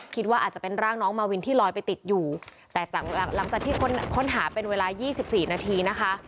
คิดว่าอาจจะเป็นร่างน้องมาวินที่ลอยไปติดอยู่แต่หลังจากที่ค้นหาเป็นเวลา๒๔นาทีนะคะ